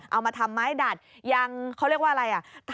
เอามาทำไม้ดัดยังเขาเรียกว่าอะไรอ่ะ